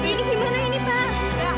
ini gimana ini pak